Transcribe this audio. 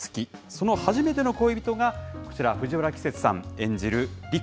その初めての恋人が、こちら、藤原季節さん演じる陸。